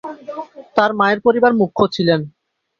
তার মা এর পরিবার মূখ্য ছিলেন।